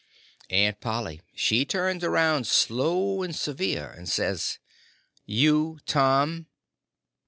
Aunt Polly she turns around slow and severe, and says: "You, Tom!"